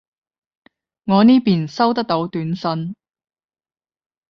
我呢邊收得到短信